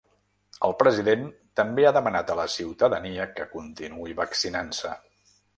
El president també ha demanat a la ciutadania que continuï vaccinant-se.